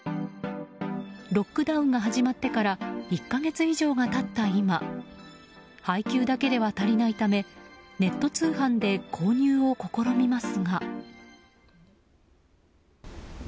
ロックダウンが始まってから１か月以上が経った今配給だけでは足りないためネット通販で購入を試みますが。